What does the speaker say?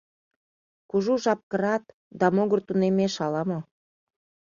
Кужу жап кырат, да могыр тунемеш ала-мо...